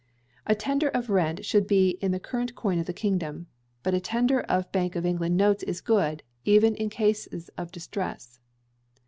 A tender of rent should be in the current coin of the kingdom. But a tender of Bank of England notes is good, even in cases of distress.